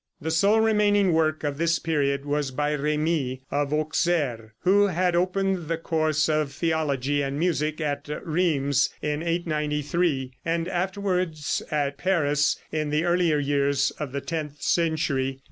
The sole remaining work of this period was by Rémi, of Auxerre, who had opened the course of theology and music at Rheims in 893, and afterward at Paris in the earlier years of the tenth century.